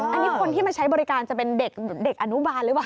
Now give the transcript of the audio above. อันนี้คนที่มาใช้บริการจะเป็นเด็กอนุบาลหรือเปล่า